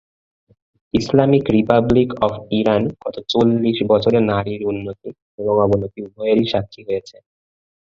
Islamic Republic of Iran গত চল্লিশ বছরে নারীর উন্নতি এবং অবনতি উভয়েরই স্বাক্ষী হয়েছে।